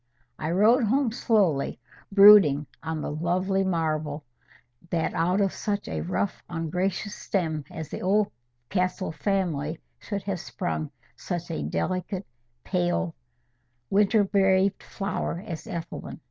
I rode home slowly, brooding on the lovely marvel, that out of such a rough ungracious stem as the Oldcastle family, should have sprung such a delicate, pale, winter braved flower, as Ethelwyn.